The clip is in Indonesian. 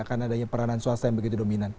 karena adanya peranan swasta yang begitu dominan